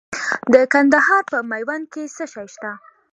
د کندهار په میوند کې څه شی شته؟